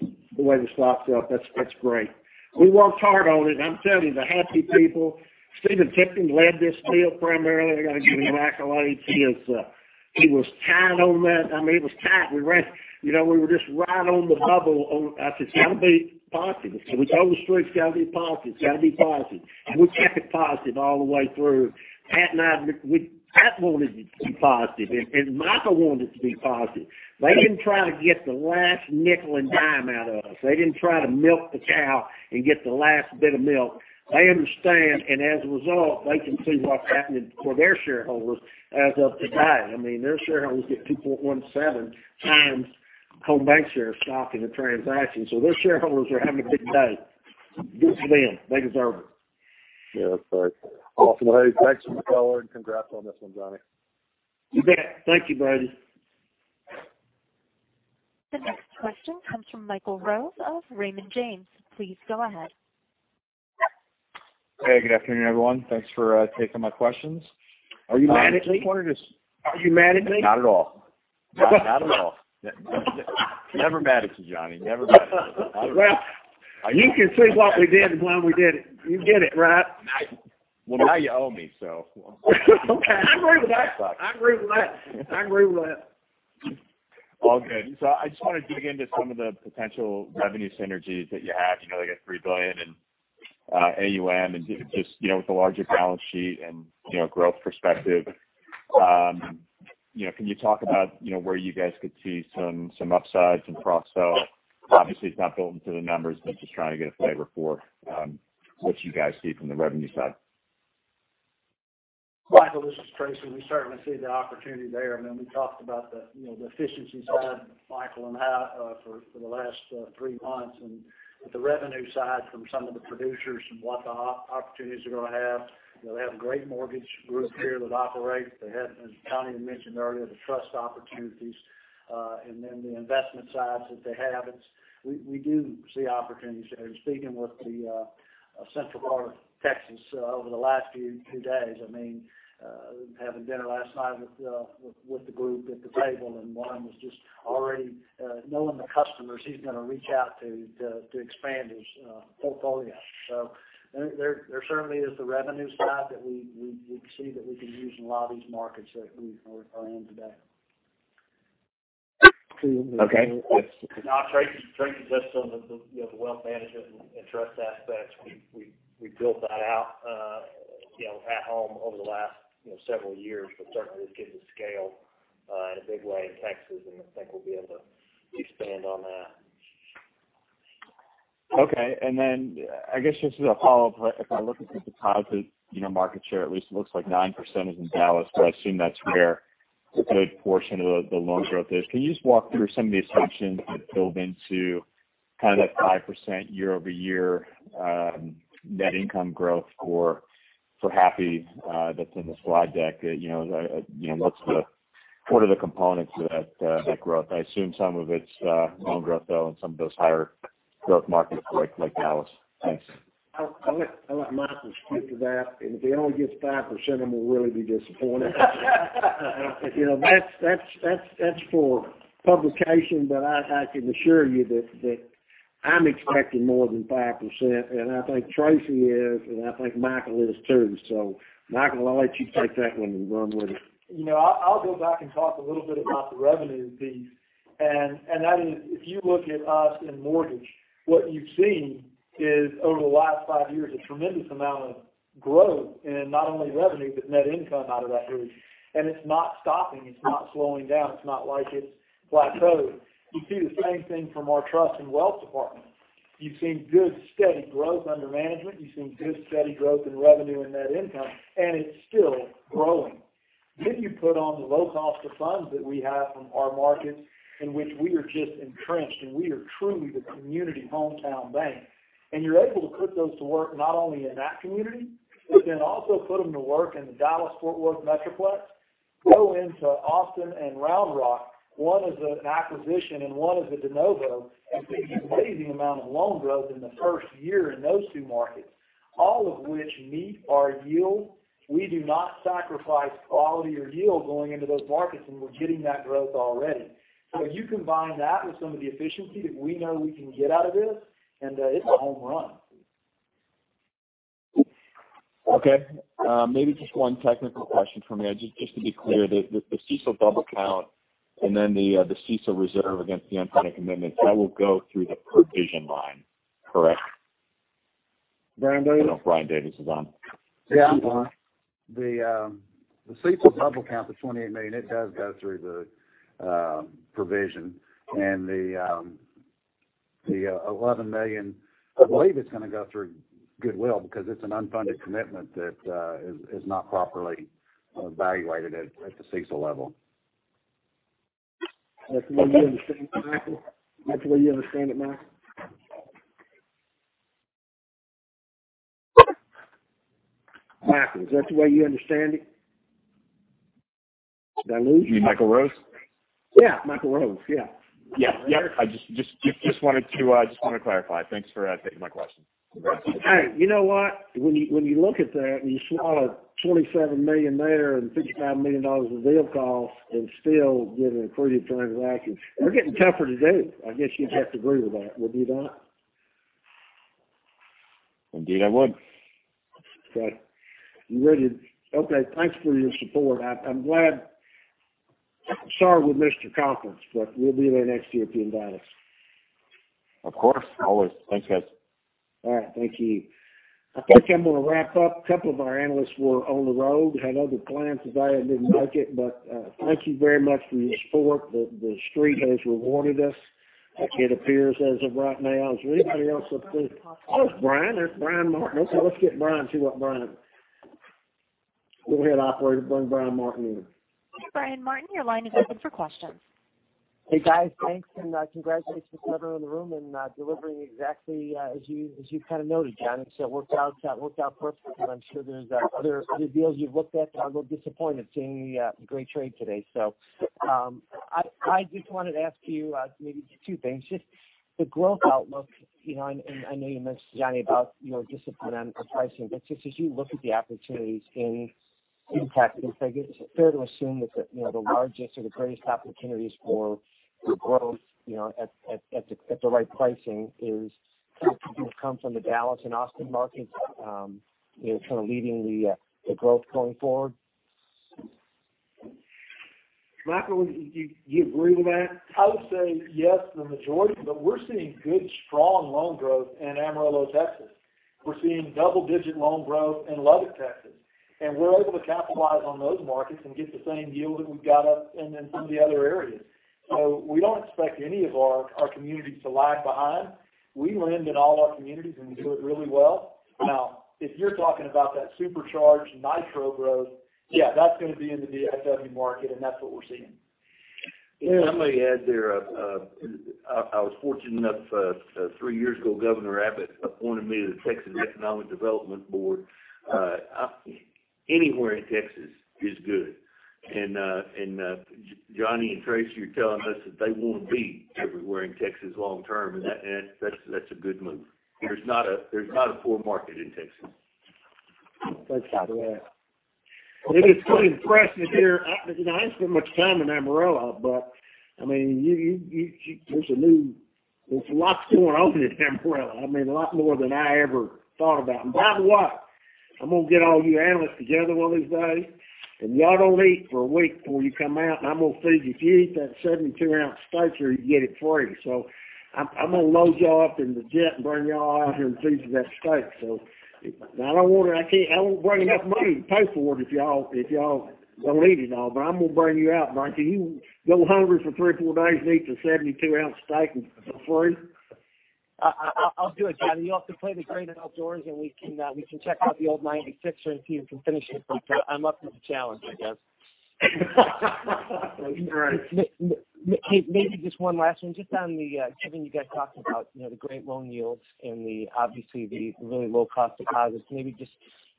the way the stock's up. That's great. We worked hard on it. I'm telling you, the Happy people, Stephen Tipton led this deal primarily. I got to give him accolades. He was tight on that. It was tight. We were just right on the bubble. I said, it's got to be positive. We told the streets, got to be positive. We kept it positive all the way through. Pat wanted it to be positive, and Mikel wanted it to be positive. They didn't try to get the last nickel and dime out of us. They didn't try to milk the cow and get the last bit of milk. They understand, and as a result, they can see what's happening for their shareholders as of today. Their shareholders get 2.17x Home Bancshares stock in the transaction. Their shareholders are having a big day. Good for them. They deserve it.
Yeah. That's right. Awesome. Hey, thanks, Mikel, and congrats on this one, Johnny.
You bet. Thank you, Brady.
The next question comes from Michael Rose of Raymond James. Please go ahead.
Hey, good afternoon, everyone. Thanks for taking my questions.
Are you mad at me?
Not at all. Never mad at you, Johnny. Never mad at you.
Well, you can see what we did and when we did it. You get it, right?
Well, now you owe me.
Okay. I agree with that.
All good. I just want to dig into some of the potential revenue synergies that you have, like at $3 billion in AUM and just with the larger balance sheet and growth perspective. Can you talk about where you guys could see some upsides in cross-sell? Obviously, it's not built into the numbers, but just trying to get a flavor for what you guys see from the revenue side.
Michael this is Tracy French. We certainly see the opportunity there. We talked about the efficiency side, Michael Rose, and for the last three months and the revenue side from some of the producers and what the opportunities they're going to have. They have a great mortgage group here that operates. They have, as Johnny Allison had mentioned earlier, the trust opportunities, and then the investment sides that they have. We do see opportunities there. Speaking with the central part of Texas over the last few days, having dinner last night with the group at the table, and one was just already knowing the customers he's going to reach out to expand his portfolio. There certainly is the revenue side that we see that we can use in a lot of these markets that we are in today.
Okay.
No, Tracy, just on the wealth management and trust aspects, we built that out at Home over the last several years. Certainly, it's getting to scale in a big way in Texas. I think we'll be able to expand on that.
Okay. I guess just as a follow-up, if I look at the deposit market share, at least it looks like 9% is in Dallas, I assume that's where a good portion of the loan growth is. Can you just walk through some of the assumptions that build into that 5% year-over-year net income growth for Happy that's in the slide deck? What are the components of that growth? I assume some of it's loan growth, though, in some of those higher growth markets like Dallas. Thanks.
I'll let Mikel Williamson speak to that. If he only gives 5%, then we'll really be disappointed. That's for publication, but I can assure you that I'm expecting more than 5%, and I think Tracy French is, and I think Mikel Williamson is, too. Mikel Williamson, I'll let you take that one and run with it.
I'll go back and talk a little bit about the revenue piece. That is, if you look at us in mortgage, what you've seen is, over the last five years, a tremendous amount of growth in not only revenue but net income out of that region, and it's not stopping. It's not slowing down. It's not like it's plateaued. You see the same thing from our trust and wealth department. You've seen good, steady growth under management. You've seen good, steady growth in revenue and net income, and it's still growing. You put on the low cost of funds that we have from our markets in which we are just entrenched, and we are truly the community hometown bank, and you're able to put those to work not only in that community, but then also put them to work in the Dallas-Fort Worth metroplex, go into Austin and Round Rock. One is an acquisition and one is a de novo, see an amazing amount of loan growth in the first year in those two markets, all of which meet our yield. We do not sacrifice quality or yield going into those markets, and we're getting that growth already. You combine that with some of the efficiency that we know we can get out of this, and it's a home run.
Okay. Maybe just one technical question from me, just to be clear. The CECL double count and then the CECL reserve against the unfunded commitments, that will go through the provision line, correct?
Brian Davis?
I know Brian S. Davis is on.
Yeah.
He's on the line.
The CECL double count, the $28 million, it does go through the provision, and the $11 million, I believe it's going to go through goodwill because it's an unfunded commitment that is not properly evaluated at the CECL level. That's the way you understand it, Michael? That's the way you understand it, Mike? Michael, is that the way you understand it? Did I lose you?
You mean Michael Rose?
Yeah. Michael Rose. Yeah.
Yeah.
Yeah.
I just wanted to clarify. Thanks for taking my question.
All right. You know what? When you look at that and you swallow $27 million there and $59 million of deal costs and still get an accretive transaction, we're getting tougher to do. I guess you'd have to agree with that. Would you not?
Indeed, I would.
Great. Okay, thanks for your support. I'm glad. Sorry we missed your conference, but we'll be there next year if you invite us.
Of course, always. Thanks, guys.
All right. Thank you. I think I'm going to wrap up. A couple of our analysts were on the road, had other plans today and didn't make it. Thank you very much for your support. The Street has rewarded us, it appears, as of right now. Is there anybody else? Oh, there's Brian. There's Brian Martin. Okay, let's get Brian, see what. Go ahead, operator, bring Brian Martin in.
Brian Martin, your line is open for questions.
Hey, guys, thanks, and congratulations to everyone in the room and delivering exactly as you've kind of noted, John. It worked out perfectly, and I'm sure there's other deals you've looked at that are a little disappointed, seeing the great trade today. I just wanted to ask you maybe two things. Just the growth outlook, and I know you mentioned, Johnny, about your discipline on pricing, but just as you look at the opportunities in Texas, I guess is it fair to assume that the largest or the greatest opportunities for growth at the right pricing is going to come from the Dallas and Austin markets, kind of leading the growth going forward?
Mikel, would you agree with that?
I would say yes, the majority, but we're seeing good, strong loan growth in Amarillo, Texas. We're seeing double-digit loan growth in Lubbock, Texas, and we're able to capitalize on those markets and get the same yield that we've got up in some of the one other areas. We don't expect any of our communities to lag behind. We lend in all our communities, and we do it really well. Now, if you're talking about that supercharged nitro growth, yeah, that's going to be in the DFW market, and that's what we're seeing.
If I may add there, I was fortunate enough three years ago, Greg Abbott appointed me to the Texas Economic Development Corporation. Anywhere in Texas is good, and Johnny and Tracy French are telling us that they want to be everywhere in Texas long term, and that's a good move. There's not a poor market in Texas.
That's how it is. It is pretty impressive here. I don't spend much time in Amarillo but there's lots going on in Amarillo. A lot more than I ever thought about. By the way, I'm going to get all you analysts together one of these days, and y'all don't eat for a week before you come out, and I'm going to feed you. If you eat that 72 oz steak here, you can get it free. I'm going to load you all up in the jet and bring y'all out here and feed you that steak. I don't want to bring enough money to pay for it if y'all go and eat it all. I'm going to bring you out. Can you go hungry for three or four days and eat the 72 oz steak for free?
I'll do it, Johnny. You'll have to play The Great Outdoors, and we can check out The Old 96er and see who can finish it. I'm up for the challenge, I guess.
Right.
Maybe just one last one, just on Kevin, you guys talked about the great loan yields and obviously the really low cost of deposits. Maybe just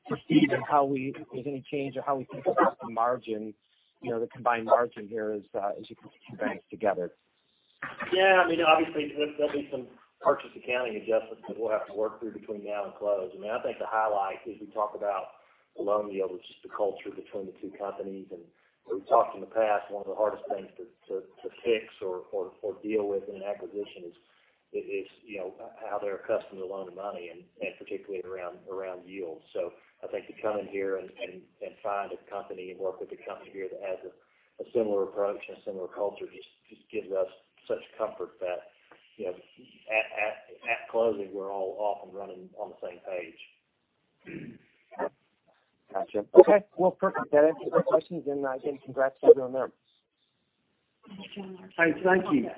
proceed on how we, if there's any change or how we think about the margin, the combined margin here as you put the two banks together.
Yeah, obviously, there'll be some purchase accounting adjustments that we'll have to work through between now and close. I think the highlight is we talk about the loan yield, which is the culture between the two companies. We've talked in the past, one of the hardest things to fix or deal with in an acquisition is how they're accustomed to loaning money, and particularly around yield. I think to come in here and find a company and work with a company here that has a similar approach and a similar culture just gives us such comfort that at closing, we're all off and running on the same page.
Got you. Okay. Well, perfect. That answers my questions, and again, congrats on the announcement.
Hey, thank you.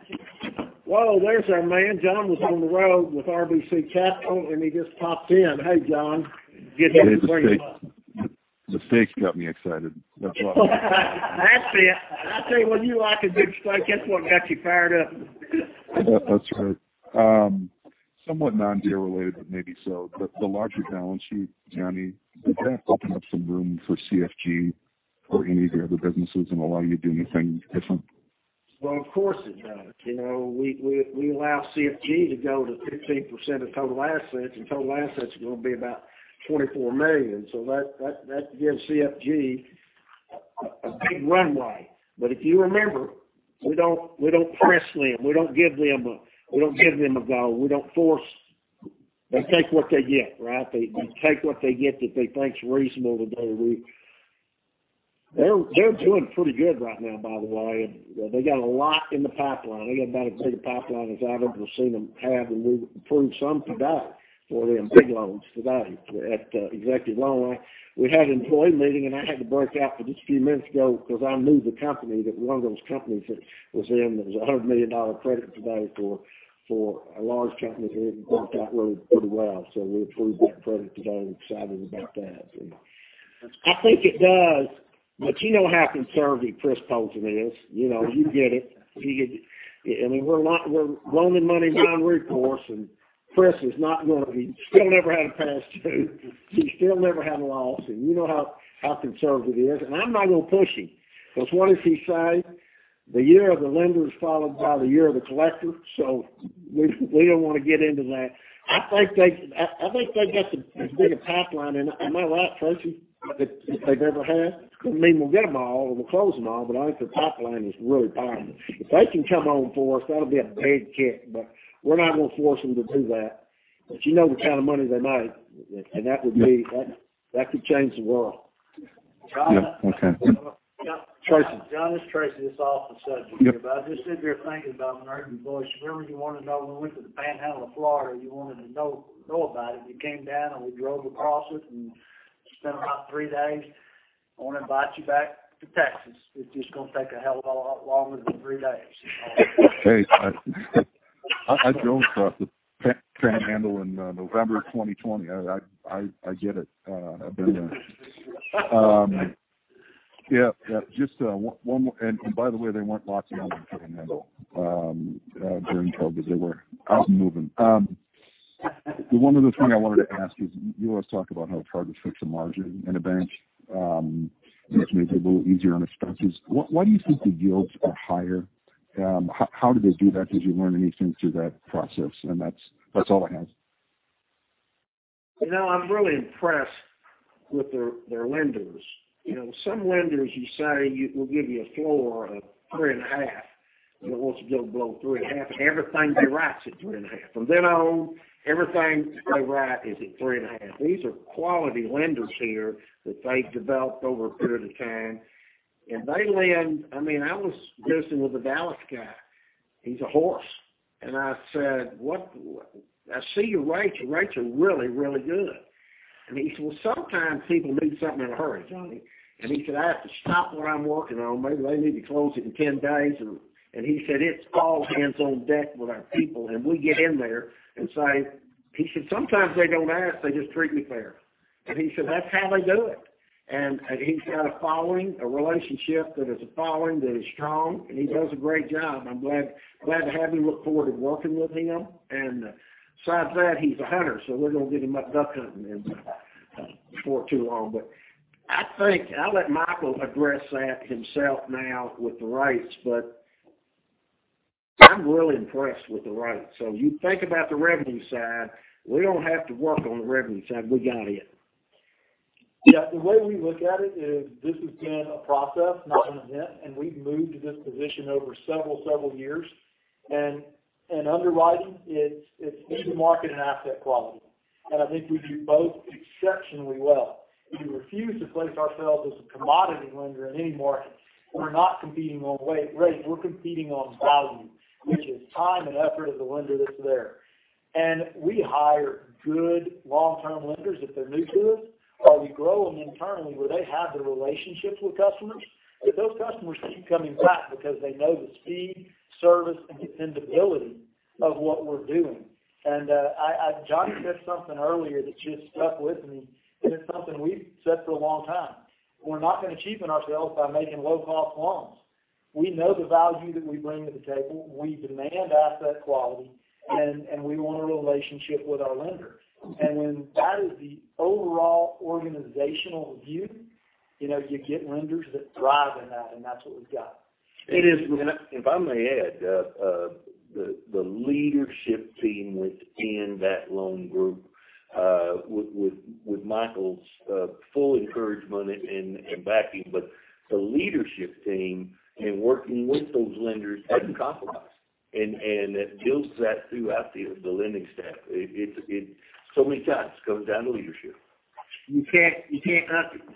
Well, there's our man. Jon was on the road with RBC Capital. He just popped in. Hey, Jon.
Hey, the steak got me excited, that's why.
That's it. I tell you what, you like a big steak. That's what got you fired up.
That's right. Somewhat non-deal related, but maybe so, but the larger balance sheet, Johnny, would that open up some room for CFG or any of your other businesses and allow you to do anything different?
Well, of course, it does. We allow CFG to go to 15% of total assets, and total assets are going to be about $24 million. That gives CFG a big runway. If you remember, we don't press lend. We don't give them a go. We don't force. They take what they get. They take what they get that they think is reasonable to do. They're doing pretty good right now, by the way. They got a lot in the pipeline. They got about as big a pipeline as I've ever seen them have, and we approved some today for them, big loans today at Executive Loan Committee. We had an employee meeting, and I had to break out for just a few minutes ago because I knew the company, that one of those companies that was in, there was a $100 million credit today for a large company here that worked out really pretty well. We approved that credit today. I'm excited about that. I think it does, but you know how conservative Christopher Poulton is. You get it. We're loaning money, non-recourse. Still never had a past due. He still never had a loss, and you know how conservative he is, and I'm not going to push him. What does he say? The year of the lender is followed by the year of the collector. We don't want to get into that. I think they got as big a pipeline, am I right, Tracy French, that they've ever had? Doesn't mean we'll get them all or we'll close them all, but I think the pipeline is really popping. If they can come on for us, that'll be a big kick, but we're not going to force them to do that. You know the kind of money they make, and that could change the world.
Yeah. Okay.
Tracy.
John, it's Tracy. It's off the subject here.
Yeah.
I just sit here thinking about when I heard you boys, remember you wanted to know when we went to the Panhandle of Florida, you wanted to know about it. You came down, and we drove across it, and spent about three days. I want to invite you back to Texas. It's just going to take a hell of a lot longer than three days.
Hey, I drove the Panhandle in November of 2020. I get it. I've been there. Yeah. By the way, there weren't lots of y'all in the Panhandle during COVID. They were moving. The one other thing I wanted to ask is, you always talk about how it's hard to fix a margin in a bank, which makes it a little easier on expenses. Why do you think the yields are higher? How do they do that? Did you learn anything through that process? That's all I have.
I'm really impressed with their lenders. Some lenders you say, we'll give you a floor of 3.5, and it wants to go below 3.5, and everything they write's at 3.5. From then on, everything they write is at 3.5. These are quality lenders here that they've developed over a period of time, and they lend I was visiting with the Dallas guy. He's a horse. I said, I see your rates, and your rates are really, really good. He said, well, sometimes people need something in a hurry, Johnny. He said, I have to stop what I'm working on. Maybe they need to close it in 10 days. He said, it's all hands on deck with our people, and we get in there and say He said, sometimes they don't ask, they just treat me fair. He said, that's how they do it. He's got a following, a relationship that is a following that is strong, and he does a great job. I'm glad to have him. Look forward to working with him. Besides that, he's a hunter, so we're going to get him up duck hunting before too long. I think I'll let Mikel address that himself now with the rates, but I'm really impressed with the rates. You think about the revenue side. We don't have to work on the revenue side. We got it.
Yeah. The way we look at it is this has been a process, not an event, and we've moved to this position over several years. Underwriting, it's speed to market and asset quality. I think we do both exceptionally well. We refuse to place ourselves as a commodity lender in any market. We're not competing on rate. We're competing on value, which is time and effort of the lender that's there. We hire good long-term lenders if they're new to us, or we grow them internally where they have the relationships with customers, that those customers keep coming back because they know the speed, service, and dependability of what we're doing. Johnny said something earlier that just stuck with me, and it's something we've said for a long time. We're not going to cheapen ourselves by making low cost loans. We know the value that we bring to the table. We demand asset quality, and we want a relationship with our lenders. When that is the overall organizational view, you get lenders that thrive in that, and that's what we've got.
It is. If I may add, the leadership team within that loan group, with Mikel Williamson's full encouragement and backing, the leadership team in working with those lenders doesn't compromise, and it builds that throughout the lending staff. Many times it comes down to leadership.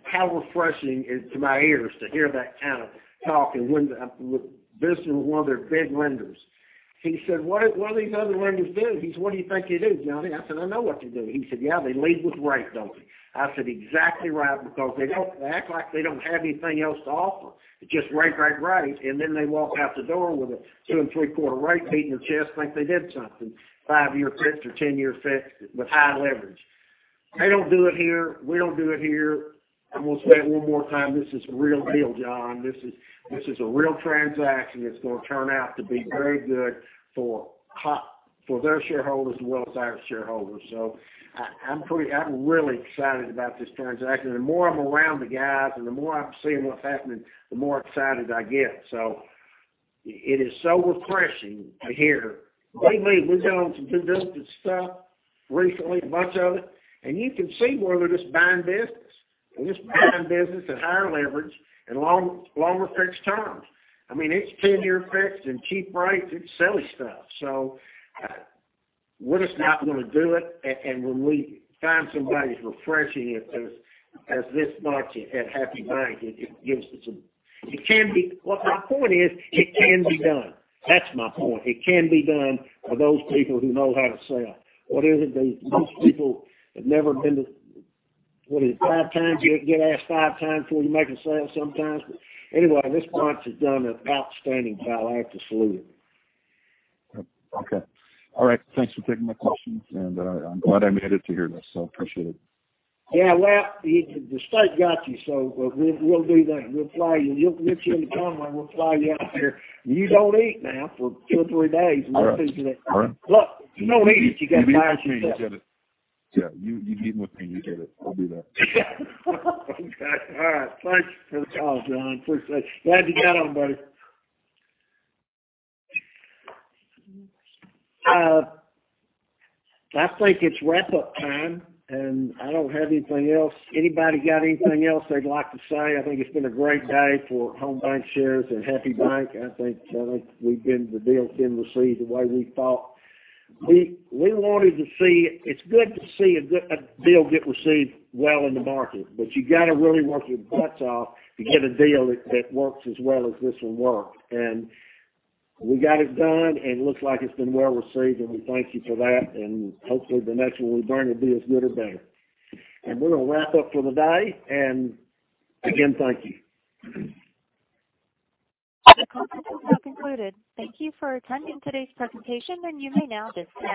How refreshing it is to my ears to hear that kind of talk. When visiting with one of their big lenders, he said, what do these other lenders do? He said, what do you think they do, Johnny? I said, I know what they do. He said, yeah, they lead with rate, don't they? I said, exactly right, because they act like they don't have anything else to offer. Just rate, rate, and then they walk out the door with a 2.75% rate, beating their chest, think they did something. Five-year fixed or 10-year fixed with high leverage. They don't do it here. We don't do it here. I'm going to say it one more time. This is the real deal, John. This is a real transaction that's going to turn out to be very good for their shareholders as well as our shareholders. I'm really excited about this transaction. The more I'm around the guys and the more I'm seeing what's happening, the more excited I get. It is so refreshing to hear. Lately, we've done some good business stuff recently, much of it, and you can see where they're just buying business, and just buying business at higher leverage and longer fixed terms. It's 10-year fixed and cheap rates. It's silly stuff. We're just not going to do it, and when we find somebody as refreshing as this bunch at Happy Bank, it gives us My point is, it can be done. That's my point. It can be done by those people who know how to sell. What is it? Those people that never been to What is it? 5x. You get asked 5x before you make a sale sometimes. Anyway, this bunch has done an outstanding job. I have to salute them.
Okay. All right. Thanks for taking my questions, and I'm glad I made it to hear this, so appreciate it.
Yeah, well, the state got you. We'll do that. We'll fly you. Get you any time. We'll fly you out here. You don't eat now for two or three days.
All right.
Look, if you don't eat it, you got to buy yourself.
You get me out of here, you get it. Yeah, you get me out of here, you get it. I'll do that.
Okay. All right. Thanks for the call, John. Appreciate it. Glad you got on, buddy. I think it's wrap-up time, and I don't have anything else. Anybody got anything else they'd like to say? I think it's been a great day for Home Bancshares and Happy Bank. I think the deal's been received the way we thought. It's good to see a deal get received well in the market, you got to really work your butts off to get a deal that works as well as this one worked. We got it done, and it looks like it's been well-received, and we thank you for that. Hopefully, the next one we bring will be as good or better. We're going to wrap up for the day. Again, thank you.
The conference has now concluded. Thank you for attending today's presentation. You may now disconnect.